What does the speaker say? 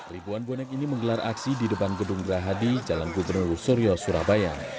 ribuan bonek ini menggelar aksi di depan gedung gerahadi jalan gubernur suryo surabaya